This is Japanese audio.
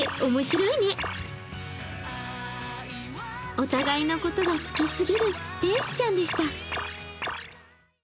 お互いのことが好きすぎる天使ちゃんでした。